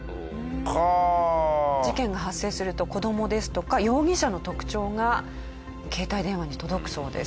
事件が発生すると子供ですとか容疑者の特徴が携帯電話に届くそうです。